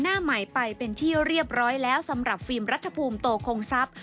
หน้าใหม่ไปเป็นที่เรียบร้อยแล้วสำหรับฟิล์มรัฐภูมิโตคงทรัพย์